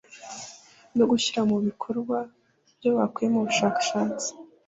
no gushyira mu bikorwa ibyo bakuye mu bushakashatsi